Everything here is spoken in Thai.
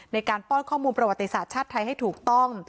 ในการป้อนข้อมูลประวัติศาสตร์ชาติไทยให้ถูกต้อง